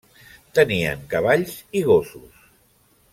Tenien cavalls i gossos.